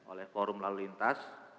oleh forum lalu lintas